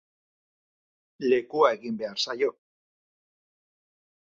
Lekua egin behar zaio!